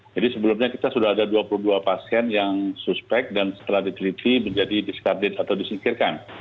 jadi sebelumnya kita sudah ada dua puluh dua pasien yang suspek dan setelah diceliti menjadi diskredit atau disingkirkan